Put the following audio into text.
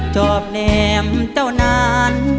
จบแหน่มเจ้านาน